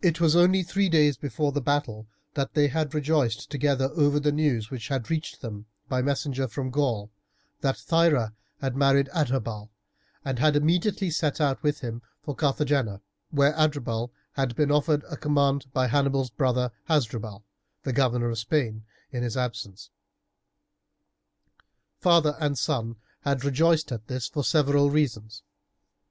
It was only three days before the battle that they had rejoiced together over the news which had reached them by a messenger from Gaul that Thyra had married Adherbal, and had immediately set out with him for Carthagena, where Adherbal had been offered a command by Hannibal's brother Hasdrubal, the governor of Spain, in his absence. Father and son had rejoiced at this for several reasons.